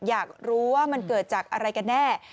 อยากรู้ว่ามันเกิดจากอะไรกันแน่